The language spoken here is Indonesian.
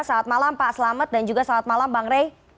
selamat malam pak selamat dan juga selamat malam bang rey